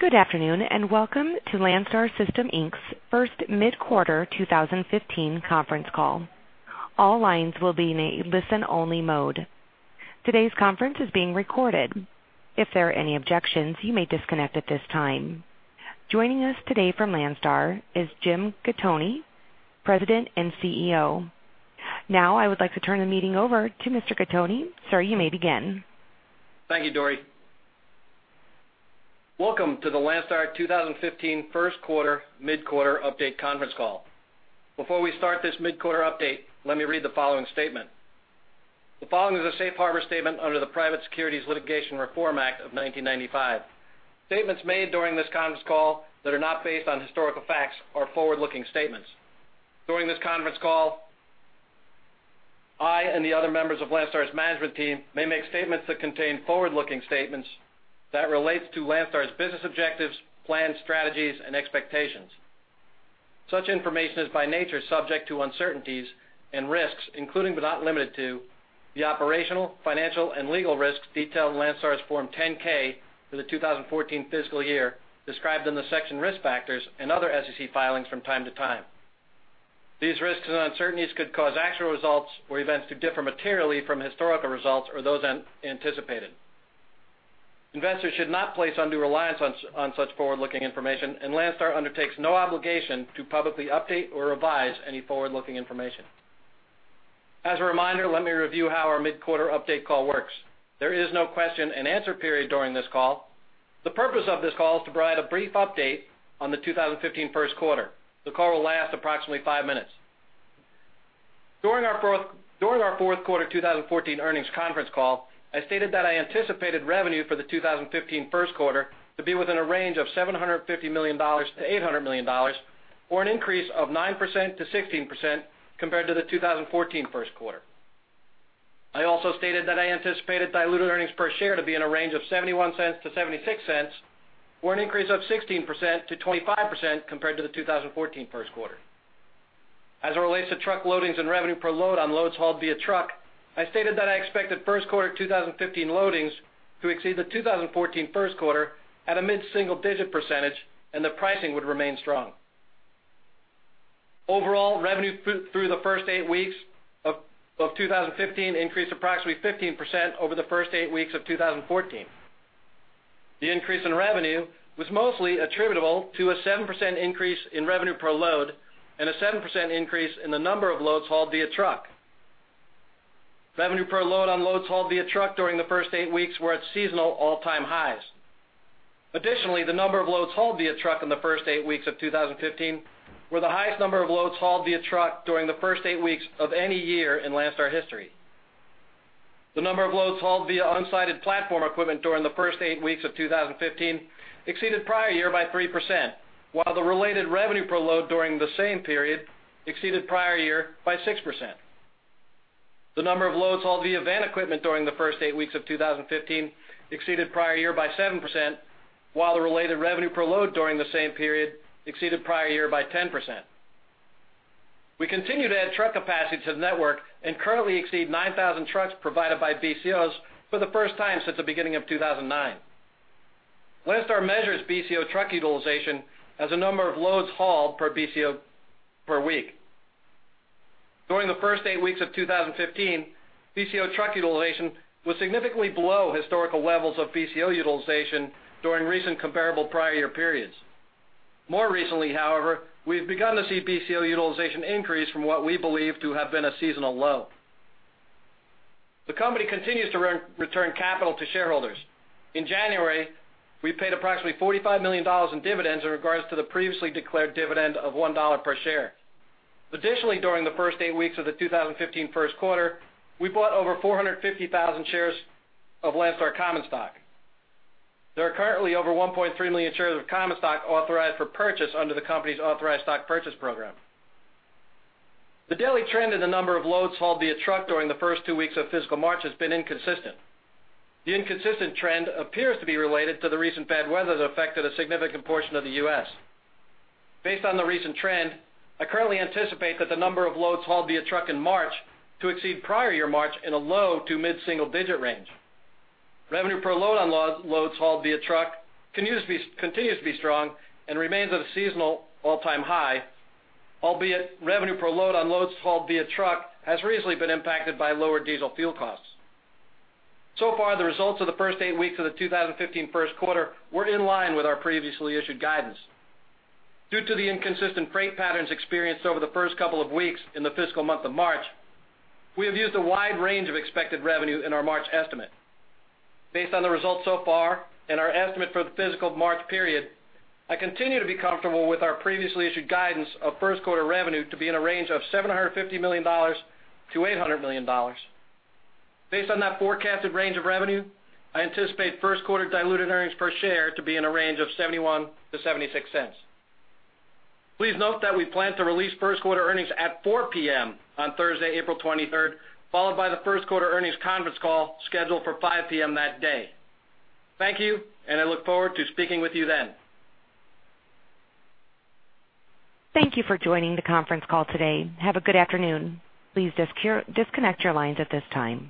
Good afternoon and welcome to Landstar System Inc's first mid-quarter 2015 conference call. All lines will be in a listen-only mode. Today's conference is being recorded. If there are any objections, you may disconnect at this time. Joining us today from Landstar is Jim Gattoni, President and CEO. Now, I would like to turn the meeting over to Mr. Gattoni. Sir, you may begin. Thank you, Dory. Welcome to the Landstar 2015 first quarter, mid-quarter update conference call. Before we start this mid-quarter update, let me read the following statement. The following is a safe harbor statement under the Private Securities Litigation Reform Act of 1995. Statements made during this conference call that are not based on historical facts are forward-looking statements. During this conference call, I and the other members of Landstar's management team may make statements that contain forward-looking statements that relate to Landstar's business objectives, planned strategies, and expectations. Such information is by nature subject to uncertainties and risks, including but not limited to the operational, financial, and legal risks detailed in Landstar's Form 10-K for the 2014 fiscal year, described in the Risk Factors section and other SEC filings from time to time. These risks and uncertainties could cause actual results or events to differ materially from historical results or those anticipated. Investors should not place undue reliance on such forward-looking information, and Landstar undertakes no obligation to publicly update or revise any forward-looking information. As a reminder, let me review how our mid-quarter update call works. There is no question and answer period during this call. The purpose of this call is to provide a brief update on the 2015 first quarter. The call will last approximately 5 minutes. During our fourth quarter 2014 earnings conference call, I stated that I anticipated revenue for the 2015 first quarter to be within a range of $750 million-$800 million or an increase of 9%-16% compared to the 2014 first quarter. I also stated that I anticipated diluted earnings per share to be in a range of $0.71-$0.76 or an increase of 16%-25% compared to the 2014 first quarter. As it relates to truck loadings and revenue per load on loads hauled via truck, I stated that I expected first quarter 2015 loadings to exceed the 2014 first quarter at a mid-single digit percentage, and the pricing would remain strong. Overall, revenue through the first eight weeks of 2015 increased approximately 15% over the first eight weeks of 2014. The increase in revenue was mostly attributable to a 7% increase in revenue per load and a 7% increase in the number of loads hauled via truck. Revenue per load on loads hauled via truck during the first eight weeks were at seasonal all-time highs. Additionally, the number of loads hauled via truck in the first eight weeks of 2015 were the highest number of loads hauled via truck during the first eight weeks of any year in Landstar history. The number of loads hauled via unsided platform equipment during the first eight weeks of 2015 exceeded prior year by 3%, while the related revenue per load during the same period exceeded prior year by 6%. The number of loads hauled via van equipment during the first eight weeks of 2015 exceeded prior year by 7%, while the related revenue per load during the same period exceeded prior year by 10%. We continue to add truck capacity to the network and currently exceed 9,000 trucks provided by BCOs for the first time since the beginning of 2009. Landstar measures BCO truck utilization as the number of loads hauled per BCO per week. During the first eight weeks of 2015, BCO truck utilization was significantly below historical levels of BCO utilization during recent comparable prior year periods. More recently, however, we've begun to see BCO utilization increase from what we believe to have been a seasonal low. The company continues to return capital to shareholders. In January, we paid approximately $45 million in dividends in regards to the previously declared dividend of $1 per share. Additionally, during the first eight weeks of the 2015 first quarter, we bought over 450,000 shares of Landstar common stock. There are currently over 1.3 million shares of common stock authorized for purchase under the company's authorized stock purchase program. The daily trend in the number of loads hauled via truck during the first two weeks of fiscal March has been inconsistent. The inconsistent trend appears to be related to the recent bad weather that affected a significant portion of the U.S. Based on the recent trend, I currently anticipate that the number of loads hauled via truck in March to exceed prior year March in a low to mid-single digit range. Revenue per load on loads hauled via truck continues to be strong and remains at a seasonal all-time high, albeit revenue per load on loads hauled via truck has recently been impacted by lower diesel fuel costs. So far, the results of the first eight weeks of the 2015 first quarter were in line with our previously issued guidance. Due to the inconsistent freight patterns experienced over the first couple of weeks in the fiscal month of March, we have used a wide range of expected revenue in our March estimate. Based on the results so far and our estimate for the fiscal March period, I continue to be comfortable with our previously issued guidance of first quarter revenue to be in a range of $750 million-$800 million. Based on that forecasted range of revenue, I anticipate first quarter diluted earnings per share to be in a range of $0.71-$0.76. Please note that we plan to release first quarter earnings at 4:00 P.M. on Thursday, April 23rd, followed by the first quarter earnings conference call scheduled for 5:00 P.M. that day. Thank you, and I look forward to speaking with you then. Thank you for joining the conference call today. Have a good afternoon. Please disconnect your lines at this time.